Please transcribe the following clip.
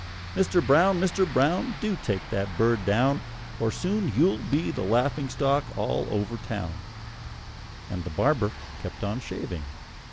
Mister Brown! Mister Brown! Do take that bird down, Or you'll soon be the laughing stock all over town!" And the barber kept on shaving.